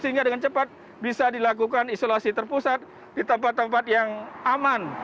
sehingga dengan cepat bisa dilakukan isolasi terpusat di tempat tempat yang aman